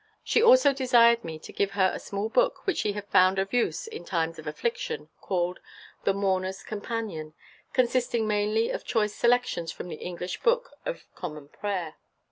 She also desired me to give her a small book which she had found of use in times of affliction, called "The Mourner's Companion," consisting mainly of choice selections from the English Book of Common Prayer.